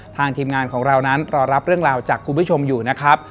ทีมงานของเรานั้นรอรับเรื่องราวจากคุณผู้ชมอยู่นะครับ